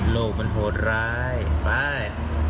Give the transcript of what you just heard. โลกมันโหดร้ายตาย